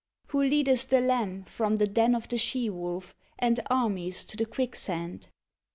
Who leadeth the lamb from the den of the she wolf, and armies to the quicksand; 6.